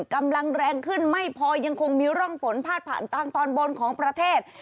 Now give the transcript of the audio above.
กำลังแรงขึ้นไม่พอยังคงมีร่องฝนพาดผ่านทางตอนบนของประเทศ